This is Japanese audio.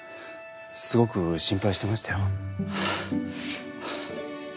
すごく心配してましたよ。